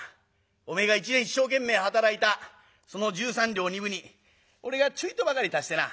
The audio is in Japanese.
おめえが一年一生懸命働いたその十三両二分に俺がちょいとばかり足してな